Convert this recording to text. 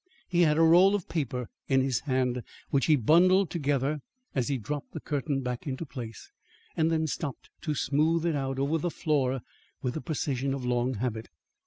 He had a roll of paper in his hand, which he bundled together as he dropped the curtain back into place and then stopped to smooth it out over the floor with the precision of long habit.